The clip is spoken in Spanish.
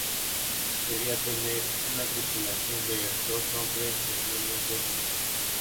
Debía tener una tripulación de dos hombres y al menos dos motores.